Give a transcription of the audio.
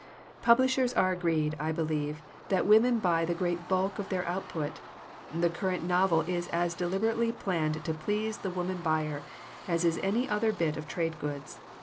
"Publishers are agreed, I believe, that women buy the great bulk of their output. The current novel is as deliberately planned to please the woman buyer as is any other bit of trade goods.